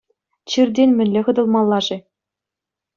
Чиртен мӗнле хӑтӑлмалла-ши?